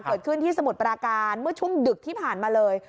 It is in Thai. เกิดขึ้นที่สมุทรปราการเมื่อช่วงดึกที่ผ่านมาเลย